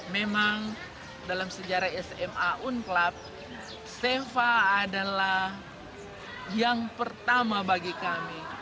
memang dalam sejarah sma unclub seva adalah yang pertama bagi kami